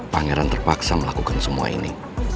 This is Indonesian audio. pangeran terpaksa melakukan semua ini